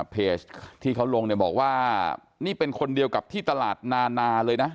เพจที่เขาลงเนี่ยบอกว่านี่เป็นคนเดียวกับที่ตลาดนานาเลยนะ